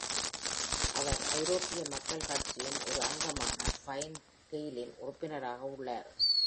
அவர் ஐரோப்பிய மக்கள் கட்சியின் ஒரு அங்கமான ஃபைன் கெயிலின் உறுப்பினராக உள்ளார்.